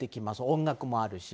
音楽もあるし。